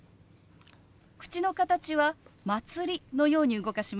口の形は「まつり」のように動かします。